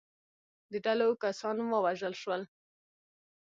د ډلو کسان ووژل شول.